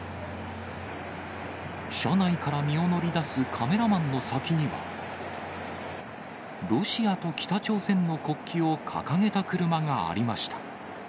車内から身を乗り出すカメラマンの先には、ロシアと北朝鮮の国旗を掲げた車がありました。